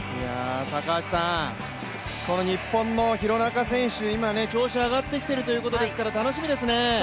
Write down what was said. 高橋さん、この日本の廣中選手、今、調子上がってきているということですから、楽しみですね。